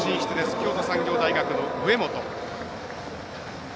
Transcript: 京都産業大学の植本。